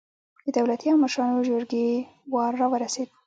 د دولتي او مشرانو جرګې وار راورسېد.